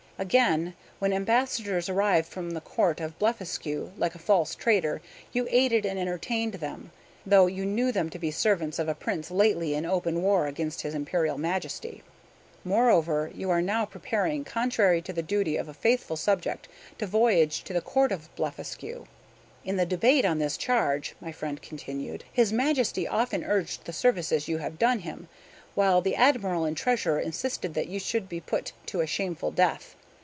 "Again, when ambassadors arrived from the Court of Blefuscu, like a false traitor, you aided and entertained them, though you knew them to be servants of a prince lately in open war against his Imperial Majesty. "Moreover, you are now preparing, contrary to the duty of a faithful subject, to voyage to the Court of Blefuscu. "In the debate on this charge," my friend continued, "his Majesty often urged the services you had done him, while the admiral and treasurer insisted that you should be put to a shameful death.